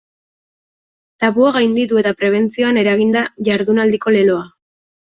Tabua gainditu eta prebentzioan eragin da jardunaldiko leloa.